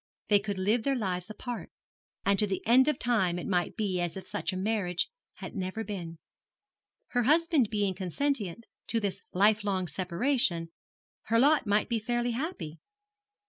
They could live their lives apart; and to the end of time it might be as if such a marriage had never been. Her husband being consentient to this life long separation, her lot might be fairly happy.